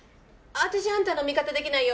私あんたの味方できないよ